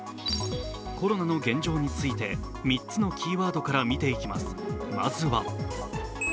コロナの現状について３つのキーワードから見ていきます